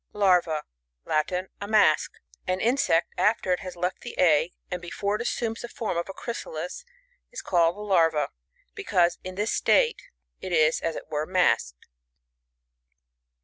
Larva. — Latin. A mask. An insect after it has left the egg^ and before it assumes the form of a chrysali'^, is called a larva, because in this state it is, *as it were, masked.